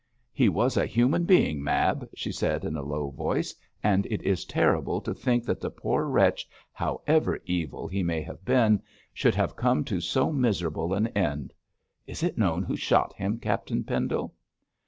'He was a human being, Mab,' she said, in a low voice, 'and it is terrible to think that the poor wretch, however evil he may have been, should have come to so miserable an end. Is it known who shot him, Captain Pendle?'